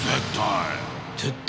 絶対？